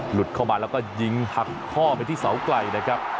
หลุดเข้ามาแล้วก็ยิงหักข้อไปที่เสาไกลนะครับ